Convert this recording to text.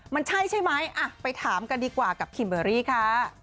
มันใช่ใช่ไหมไปถามกันดีกว่ากับคิมเบอร์รี่ค่ะ